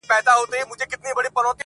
ملنگ خو دي وڅنگ ته پرېږده